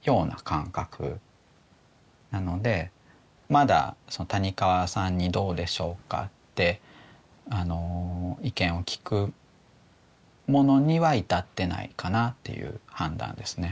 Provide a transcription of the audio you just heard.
まだ谷川さんに「どうでしょうか？」って意見を聞くものには至ってないかなっていう判断ですね。